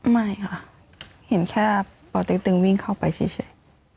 ไม่ค่ะเห็นแค่ปเต็กตึงวิ่งเข้าไปเฉย